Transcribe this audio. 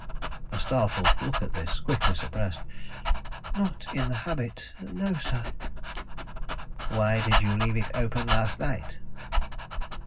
A startled look at this, quickly suppressed. "Not in the habit; no, sir." "Why did you leave it open last night?"